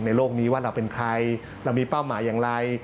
โลกนี้ว่าเราเป็นใครเรามีเป้าหมายอย่างไร